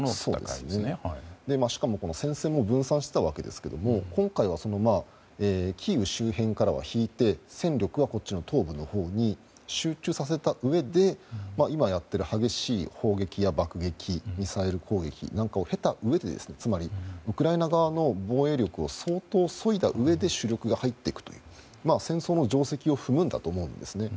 しかも、戦線も分散していたわけですが今回はキーウ周辺からは引いて戦力は東部のほうに集中させたうえで今やっている激しい砲撃や爆撃ミサイル攻撃なんかを経たうえでつまり、ウクライナ側の防衛力を相当そいだうえで主力が入っていくという戦争の定石を踏むんだと思うんですね。